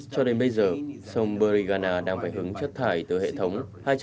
cho đến bây giờ sông buriganga đang phải hướng chất thải từ hệ thống